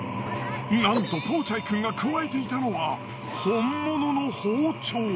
なんとポーチャイくんがくわえていたのは本物の包丁。